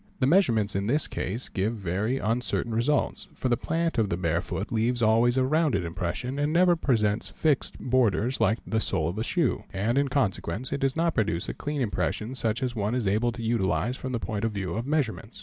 The measurements in this case give very uncertain results, for the plant of the bare foot leaves always a rounded — impression and never presents fixed borders like the sole of the shoe, and — in consequence it does not produce a clean impression such as one is able — to utilise from the point of view of measurements.